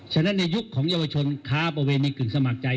ฉะนั้นในยุคของเยาวชนค้าประเวณในกึ่งสมัครใจ